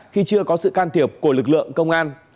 khi chưa có sự can thiệp của lực lượng công an